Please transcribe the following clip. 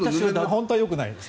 本当はよくないんです。